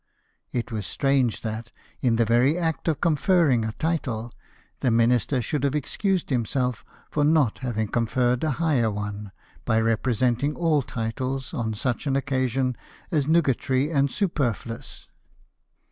It was strange that, in the very act of conferring a title, the Minister should have excused himself for not having conferred a higher one by representing all titles, on such an occasion, as nugatory and superfluous.